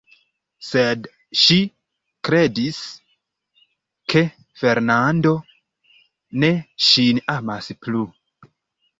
Sed ŝi kredis, ke Fernando ne ŝin amas plu.